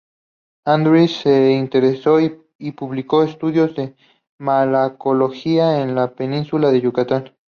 Andrews se interesó y publicó estudios de malacología en la península de Yucatán.